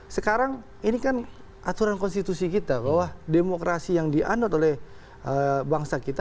sekarang ini kan aturan konstitusi kita bahwa demokrasi yang dianut oleh bangsa kita